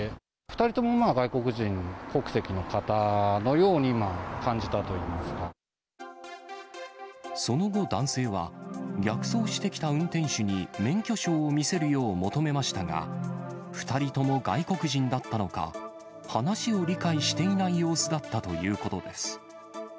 ２人とも外国人国籍の方のようにその後、男性は逆走してきた運転手に免許証を見せるよう求めましたが、２人とも外国人だったのか、話を理解していない様子だったということです。